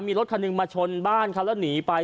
มีรถคันหนึ่งมาชนบ้านเขาแล้วหนีไป